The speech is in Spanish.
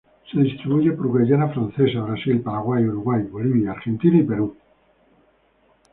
Se distribuye por Guyana Francesa, Brasil, Paraguay, Uruguay, Bolivia, Argentina, Perú.